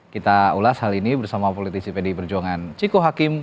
kita ulas hal ini bersama politisi pdi perjuangan ciko hakim